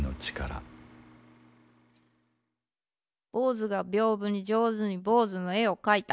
坊主が屏風に上手に坊主の絵を描いた。